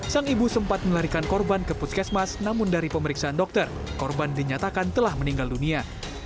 sang ibu sempat melarikan korban ke puskesmas namun dari pemeriksaan dokter korban dinyatakan telah meninggal dunia